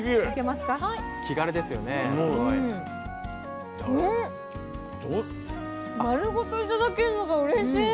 まるごと頂けるのがうれしい。